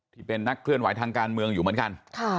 ที่เป็นนักเคลื่อนไหวทางการเมืองอยู่เหมือนกัน